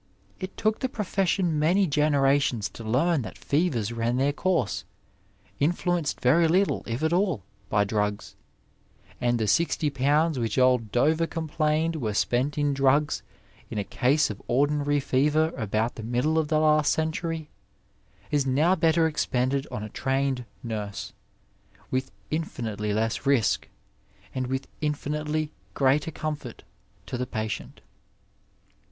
It took the profession many generations to learn that fevers ran their course, influenced very little, if at all, by drugs, and the £60 which old Dover complained were spent in drugs in a case of ordinary fever about the middle of the last century is now better expended on a trained nurse, with infinitely less risk, and with infinitely greater comfort to the patient.